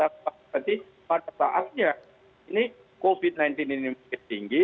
berarti pada saatnya ini covid sembilan belas ini tinggi